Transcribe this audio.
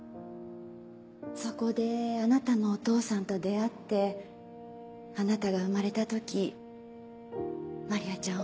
そこであなたのお父さんと出会ってあなたが生まれた時マリアちゃん